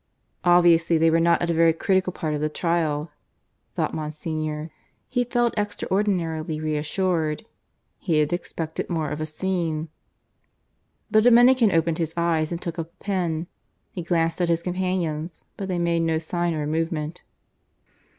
Obviously they were not at a very critical part of the trial, thought Monsignor. He felt extraordinarily reassured. He had expected more of a scene. The Dominican opened his eyes and took up a pen. He glanced at his companions, but they made no sign or movement.